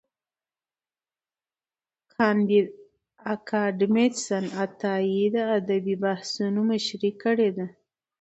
کانديد اکاډميسن عطايي د ادبي بحثونو مشري کړې ده.